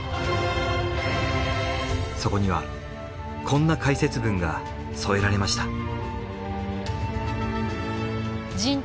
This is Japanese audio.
そこにはこんな解説文が添えられました。